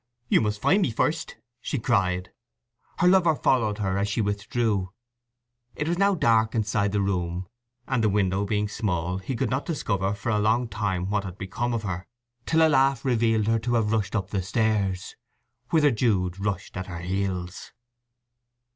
"You must find me first!" she cried. Her lover followed her as she withdrew. It was now dark inside the room, and the window being small he could not discover for a long time what had become of her, till a laugh revealed her to have rushed up the stairs, whither Jude rushed at her heels.